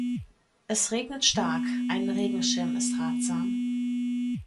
Es regnet stark, ein Regenschirm ist ratsam.